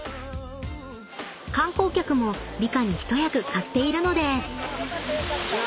［観光客も美化に一役買っているのです］